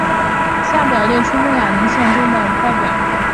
下表列出慕亚林县在州议会的代表。